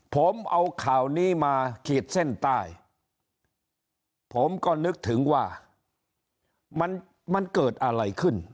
ผมเอาข่าวนี้มาขีดเส้นใต้ผมก็นึกถึงว่ามันมันเกิดอะไรขึ้น